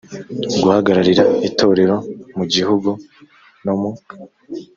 guhagararira itorero mu gihiugu no mu